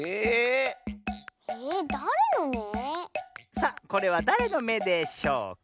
さあこれはだれのめでしょうか？